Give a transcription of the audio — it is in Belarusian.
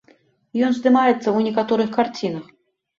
Ён здымаецца ў некаторых карцінах.